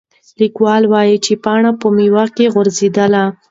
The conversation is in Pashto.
لیکوال وایي چې پاڼه په میوه کې غځېدلې ده.